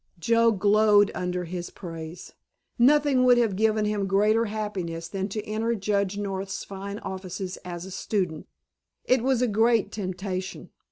Joe glowed under his praise. Nothing would have given him greater happiness than to enter Judge North's fine offices as a student. It was a great temptation.